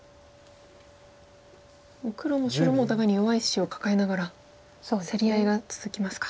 もう黒も白もお互いに弱い石を抱えながら競り合いが続きますか。